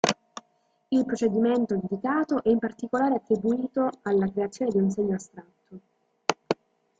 Il procedimento indicato è in particolare attribuito alla creazione di un segno astratto.